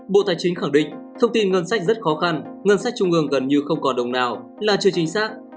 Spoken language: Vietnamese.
bộ tài chính khẳng định thông tin ngân sách rất khó khăn ngân sách trung ương gần như không còn đồng nào là chưa chính xác